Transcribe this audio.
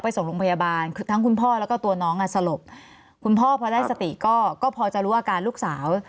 ส่งโรงพยาบาลคือทั้งคุณพ่อแล้วก็ตัวน้องอ่ะสลบคุณพ่อพอได้สติก็ก็พอจะรู้อาการลูกสาว